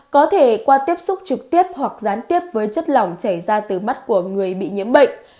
có thể qua tiếp xúc trực tiếp hoặc gián tiếp với chất lỏng chảy ra từ mắt của người bị nhiễm bệnh